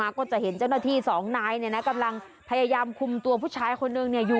ก็จะเห็นเจ้าหน้าที่สองนายเนี่ยนะกำลังพยายามคุมตัวผู้ชายคนนึงเนี่ยอยู่